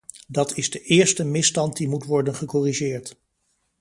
Dat is de eerste misstand die moet worden gecorrigeerd.